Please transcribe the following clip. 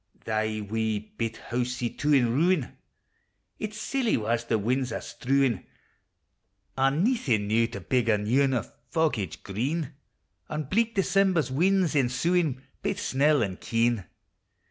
Thy wee bit housie, too, in ruin! Its silly wa's the win's are strewin'! An' naething now to big a new ane O' foggage green ! An' bleak December's winds ensuin', Baith snell and keen